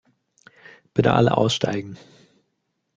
Bitte alle aussteigen.